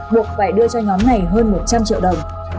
buộc phải đưa cho nhóm này hơn một trăm linh triệu đồng